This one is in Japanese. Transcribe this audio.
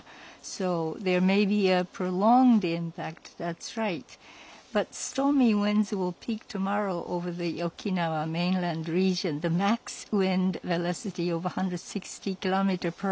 そうですね。